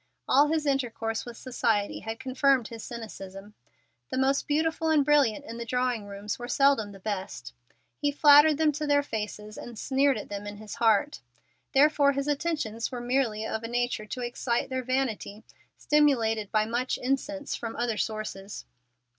All his intercourse with society had confirmed his cynicism. The most beautiful and brilliant in the drawing rooms were seldom the best. He flattered them to their faces and sneered at them in his heart. Therefore his attentions were merely of a nature to excite their vanity, stimulated by much incense from other sources.